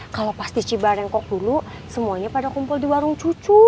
kalo pas di cibarenkok dulu semuanya pada kumpul di warung cucu